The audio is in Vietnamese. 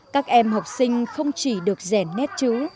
các em học sinh không chỉ được rèn nét chữ